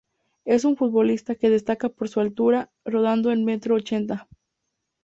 Es un futbolista que destaca por su altura, rondando el metro ochenta.